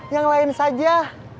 yang lain saja